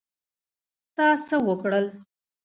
تا څه وکړل؟